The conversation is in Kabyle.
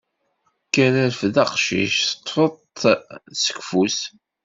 Kker, rfed aqcic teṭṭfeḍ-t seg ufus.